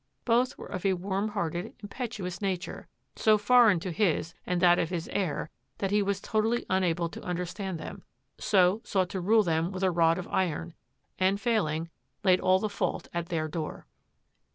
Both were of a warm hearted, impetuous nature, so foreign to his and that of his heir that he was totally unable to understand them, so sought to rule them with a rod of iron, and failing, laid all the fault at their door.